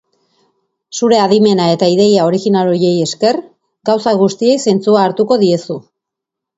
Zure adimena eta ideia original horiei esker, gauza guztiei zentzua hartuko diezu.